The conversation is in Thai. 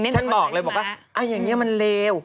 ฉันบอกเลยบอกว่าอย่างนี้มันเลว